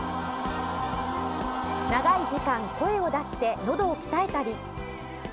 長い時間、声を出してのどを鍛えたり。